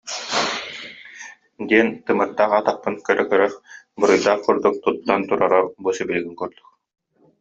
диэн тымырдаах атахпын көрө-көрө буруйдаах курдук туттан турара бу сибилигин курдук